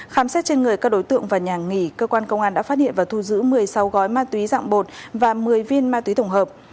khám xét trên người các đối tượng và nhà nghỉ cơ quan công an đã phát hiện và thu giữ một mươi sáu gói ma túy dạng bột và một mươi viên ma túy tổng hợp